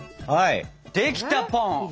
はいできたポン！